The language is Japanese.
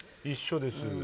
一緒です。